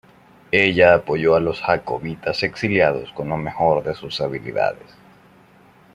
Ella apoyó a los jacobitas exiliados con lo mejor de sus habilidades.